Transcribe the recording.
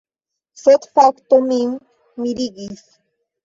Sed fakto min mirigis.